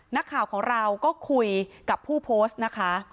นักข่าวของเราก็คุยกับผู้โพสต์นะคะ